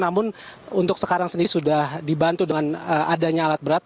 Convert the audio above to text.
namun untuk sekarang sendiri sudah dibantu dengan adanya alat berat